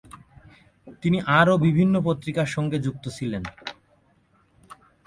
তিনি আরও বিভিন্ন পত্রিকার সঙ্গে যুক্ত ছিলেন।